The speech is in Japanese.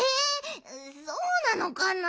そうなのかな。